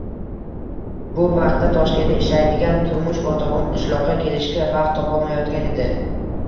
Bu vaqtda Toshkentda ishlaydigan turmush o`rtog`im qishloqqa kelishga vaqt topolmayotgan edi